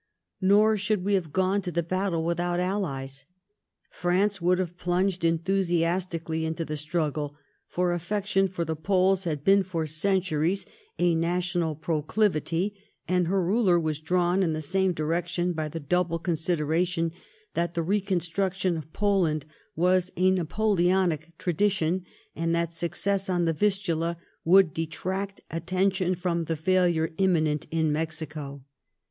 Nor should we haye gone to the battle without allies. France would haye plunged enthusiastically into the struggle, for affection for the Poles had been for centuries a national pro cliyity^ and her ruler was drawn in the same direction by the double consideration that the reconstruction of Poland was a Napoleonic tradition, and that success on the Vistula would detract attention from the failure imminent in Mexico.